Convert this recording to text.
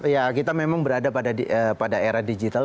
ya kita memang berada pada era digital